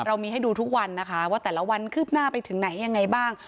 เรามีให้ดูทุกวันนะคะว่าแต่ละวันคืบหน้าไปถึงไหนยังไงบ้าง